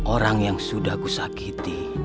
orang yang sudah kusakiti